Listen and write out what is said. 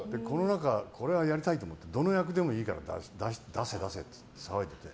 これはやりたいと思ってどの役でもいいから出せ出せって言って騒いでて。